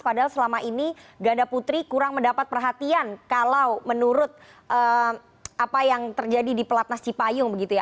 padahal selama ini ganda putri kurang mendapat perhatian kalau menurut apa yang terjadi di pelatnas cipayung begitu ya